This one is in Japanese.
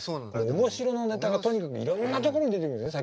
おもしろのネタがとにかくいろんなところに出てくるんですね